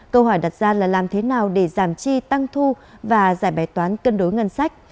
câu hỏi đặt ra là làm thế nào để giảm chi tăng thu và giải bài toán cân đối ngân sách